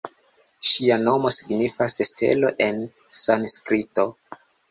Ŝia nomo signifas ""Stelo"" en sanskrito.